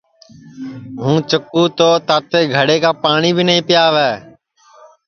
ہُوں چکُو تو تاتے گھڑے کا پاٹؔی نائیں پِیاوے